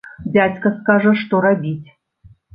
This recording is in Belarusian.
Дзядзька скажа, што рабіць.